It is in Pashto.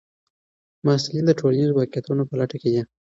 محصلین د ټولنیزو واقعیتونو په لټه کې دي.